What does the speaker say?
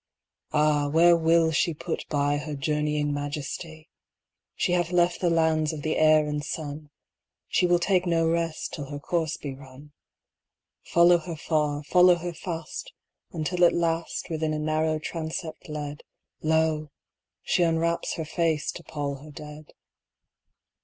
Ah! where will she put byHer journeying majesty? She hath left the lands of the air and sun; She will take no rest till her course be run. Follow her far, follow her fast, Until at last, Within a narrow transept led, Lo! she unwraps her face to pall her dead.